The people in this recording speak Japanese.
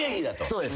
そうです。